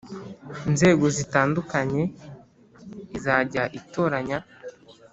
Nzego zitandukanye izajya itoranya